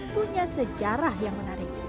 dan ini adalah sebuah sejarah yang menarik